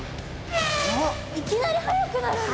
いきなり速くなるんだ。